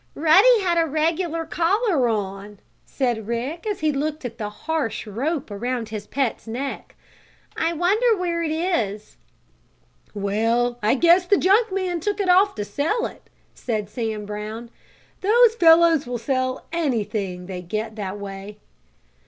"Ruddy had a regular collar on," said Rick, as he looked at the harsh rope around his pet's neck. "I wonder where it is?" "Well, I guess the junk man took it off to sell it," said Sam Brown. "Those fellows will sell anything they get that way."